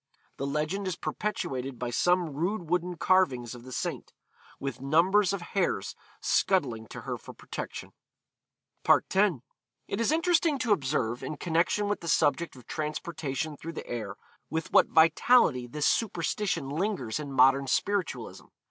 The legend is perpetuated by some rude wooden carvings of the saint, with numbers of hares scuttling to her for protection.' X. It is interesting to observe, in connection with the subject of transportation through the air, with what vitality this superstition lingers in modern spiritualism.